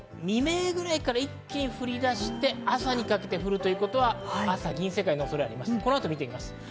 未明ぐらいから一気に降り出して、朝にかけて降るということは、朝、銀世界の恐れがあります。